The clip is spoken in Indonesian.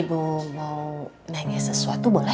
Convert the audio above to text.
ibu mau nanya sesuatu boleh